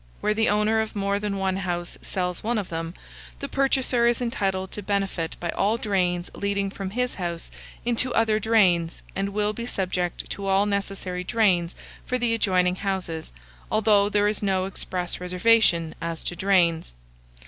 Where the owner of more than one house sells one of them, the purchaser is entitled to benefit by all drains leading from his house into other drains, and will be subject to all necessary drains for the adjoining houses, although there is no express reservation as to drains.